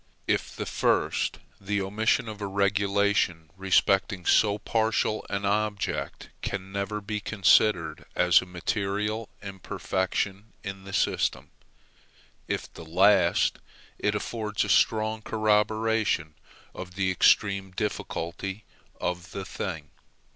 If the first, the omission of a regulation respecting so partial an object can never be considered as a material imperfection in the system. If the last, it affords a strong corroboration of the extreme difficulty of the thing.